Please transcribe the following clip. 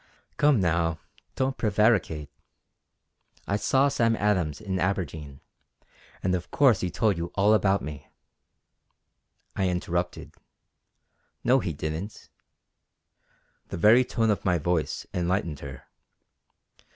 "Come now, don't prevaricate. I saw Sam Adams in Aberdeen, and of course he told you all about me." I interrupted: "No he didn't." The very tone of my voice enlightened her.